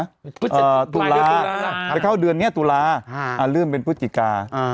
อ่าตุลาฮะไปเข้าเดือนเนี่ยตุลาฮะอ่าเริ่มเป็นพุธจิกาอ่า